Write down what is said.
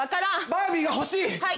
バービーが欲しい！